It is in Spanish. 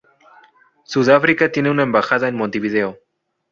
Sudáfrica tiene una embajada en Montevideo.